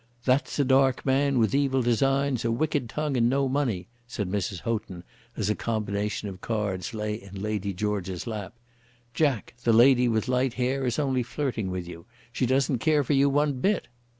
"That's a dark man, with evil designs, a wicked tongue, and no money," said Mrs. Houghton, as a combination of cards lay in Lady George's lap. "Jack, the lady with light hair is only flirting with you. She doesn't care for you one bit."